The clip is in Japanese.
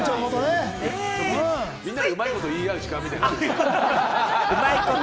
みんな、うまいこと言い合う時間みたいですね。